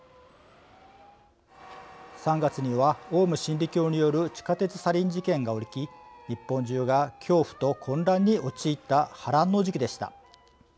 ３月には、オウム真理教による地下鉄サリン事件が起き日本中が恐怖と混乱に陥った波乱の時期でした。